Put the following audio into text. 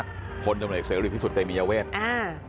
การสอบส่วนแล้วนะ